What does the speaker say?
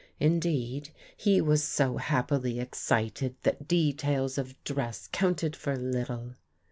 Indeed, he was so happily excited that details of dress counted for little.